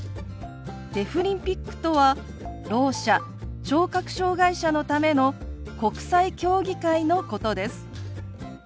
デフリンピックとはろう者聴覚障害者のための国際競技会のことです。